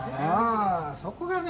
そこがね